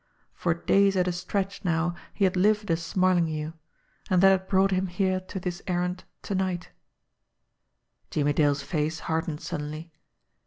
For days at a stretch now he had lived as Smarlinghue and that had brought him here to his errand to night. Jimmie Dale's face hardened suddenly.